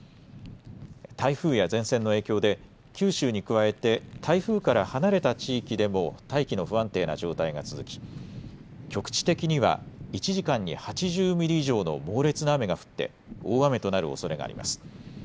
台風や前線の影響で九州に加えて台風から離れた地域でも大気の不安定な状態が続き局地的には１時間に８０ミリ以上の猛烈な雨が降って大雨となるおそれがあります。